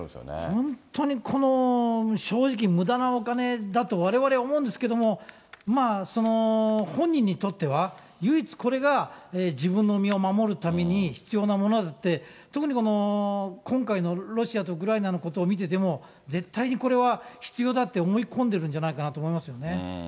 本当にこの正直、むだなお金だとわれわれ、思うんですけども、本人にとっては、唯一これが自分の身を守るために必要なものだって、特に今回のロシアとウクライナのことを見てても、絶対にこれは必要だって思い込んでるんじゃないかと思いますね。